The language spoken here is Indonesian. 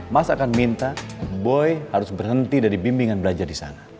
mas akan minta boy harus berhenti dari bimbingan belajar di sana